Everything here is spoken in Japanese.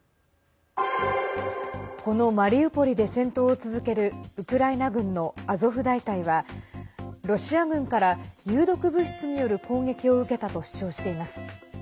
このマリウポリで戦闘を続けるウクライナ軍のアゾフ大隊はロシア軍から有毒物質による攻撃を受けたと主張しています。